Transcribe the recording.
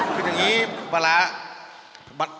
คืออย่างนี้ปลาร้า